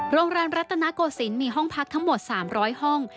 โรงแรมรัตนโกศิลป์มีห้องพักทั้งหมด๓๐๐ห้อง